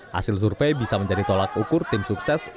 hasil survei bisa menjadi tolak ukur tim sukses